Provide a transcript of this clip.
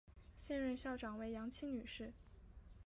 现任校长为杨清女士。